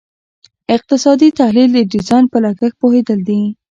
اقتصادي تحلیل د ډیزاین په لګښت پوهیدل دي.